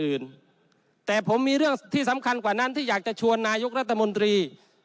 อื่นแต่ผมมีเรื่องที่สำคัญกว่านั้นที่อยากจะชวนนายกรัฐมนตรี